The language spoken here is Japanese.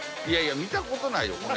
いやいや見た事ないよ